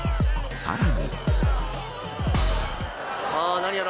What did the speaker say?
さらに。